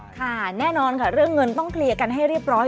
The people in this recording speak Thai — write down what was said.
ค่ะแน่นอนค่ะเรื่องเงินต้องเคลียร์กันให้เรียบร้อย